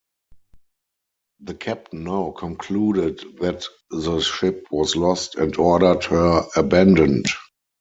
The captain now concluded that the ship was lost and ordered her abandoned.